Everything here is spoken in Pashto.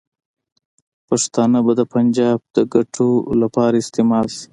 پښتانه به د پنجاب د ګټو لپاره استعمال شي.